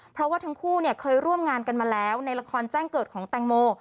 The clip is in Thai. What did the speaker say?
เพราะว่าทั้งคู่เนี่ยเคยร่วมงานกันมาแล้วในละครแจ้งเกิดของแตงโม